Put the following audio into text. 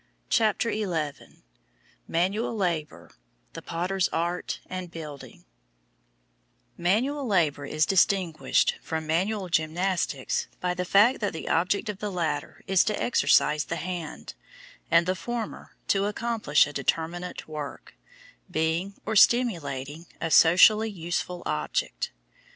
CHAPTER XI MANUAL LABOUR–THE POTTER'S ART AND BUILDING MANUAL labour is distinguished from manual gymnastics by the fact that the object of the latter is to exercise the hand, and the former, to accomplish a determinate work, being, or simulating, a socially useful object.